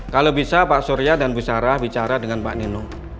kalau bisa pak surya dan bu sarah bicara dengan pak nino